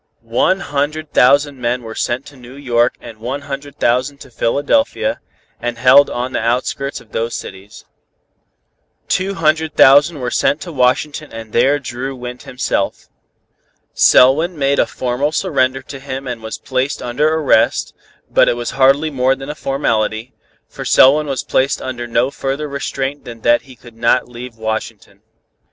One hundred thousand men were sent to New York and one hundred thousand to Philadelphia, and held on the outskirts of those cities. Two hundred thousand were sent to Washington and there Dru went himself. Selwyn made a formal surrender to him and was placed under arrest, but it was hardly more than a formality, for Selwyn was placed under no further restraint than that he should not leave Washington.